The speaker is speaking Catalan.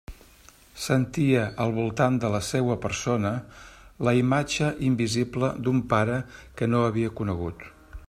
Sentia al voltant de la seua persona la imatge invisible d'un pare que no havia conegut.